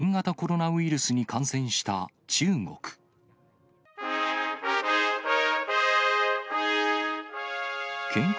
９万人以上が新型コロナウイルスに感染した中国。